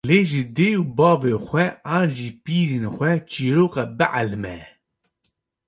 lê ji dê û bavê xwe an ji pîrên xwe çîroka bielime